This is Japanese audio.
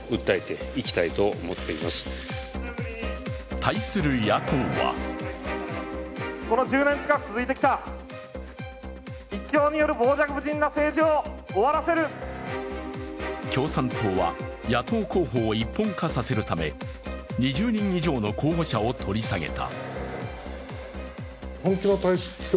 対する野党は共産党は、野党候補を一本化させるため、２０人以上の候補者を取り下げた。